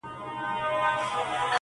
هغه ښار هغه مالت دی مېني تشي له سړیو!